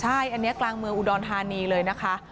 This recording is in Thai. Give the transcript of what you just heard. ใช่อันนี้กลางเมืองอุดรธานีเลยนะคะ